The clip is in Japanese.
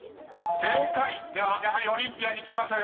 ［正解！ではやはりオリンピアンに聞きましょう。